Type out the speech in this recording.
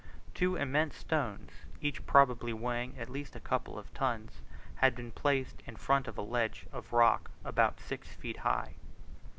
Two immense stones, each probably weighing at least a couple of tons, had been placed in front of a ledge of rock about six feet high.